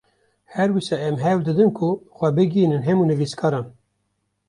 Her wisa em hewl didin ku xwe bigihînin hemû nivîskaran